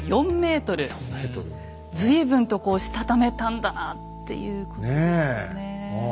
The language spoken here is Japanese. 随分とこうしたためたんだなっていうことですよねえ。